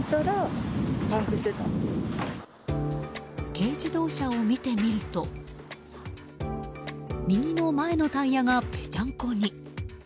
軽自動車を見てみると右の前のタイヤが、ぺちゃんこに。